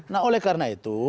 nah oleh karena itu